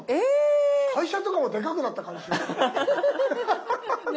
会社とかもでかくなった感じしますね。